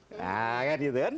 nah kan gitu kan